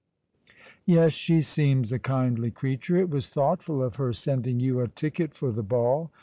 " Yes, she seems a kindly creature. It was thoughtful of her sending you a ticket for the ball.